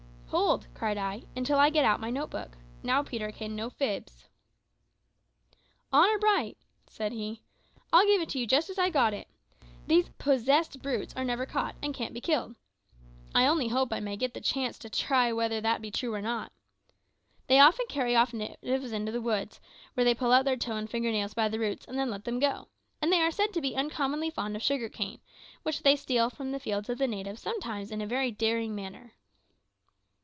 "Hold," cried I, "until I get out my note book. Now, Peterkin, no fibs." "Honour bright," said he, "I'll give it you just as I got it. These possessed brutes are never caught, and can't be killed. (I only hope I may get the chance to try whether that be true or not.) They often carry off natives into the woods, where they pull out their toe and finger nails by the roots and then let them go; and they are said to be uncommonly fond of sugar cane, which they steal from the fields of the natives sometimes in a very daring manner."